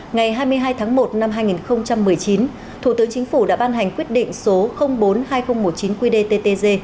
ngày hai mươi hai tháng một năm hai nghìn một mươi chín thủ tướng chính phủ đã ban hành quyết định số bốn hai nghìn một mươi chín qdttg